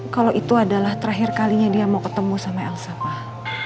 kalau itu adalah terakhir kalinya dia mau ketemu sama al safah